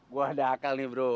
gue ada akal nih bro